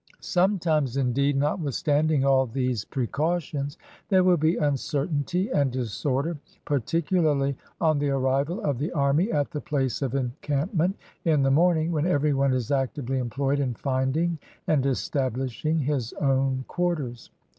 Sometimes, indeed, notwithstanding all these pre cautions, there will be uncertainty and disorder, par ticularly on the arrival of the army at the place of encampment in the morning, when every one is actively employed in finding and establishing his own quarters.